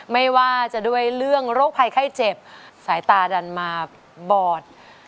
ไม่ว่าจะด้วยเรื่องโรคภัยไข้เจ็บสายตาดันมาบอด